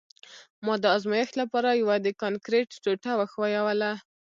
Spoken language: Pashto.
ما د ازمایښت لپاره یوه د کانکریټ ټوټه وښویوله